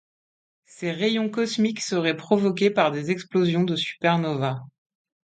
Ces rayons cosmiques seraient provoqués par des explosions de supernovae.